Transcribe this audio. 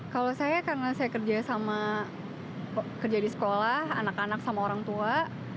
kalau saya karena saya kerja sama kerja di sekolah anak anak sama orang tua